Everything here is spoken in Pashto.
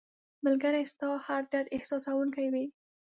ملګری ستا هر درد احساسوونکی وي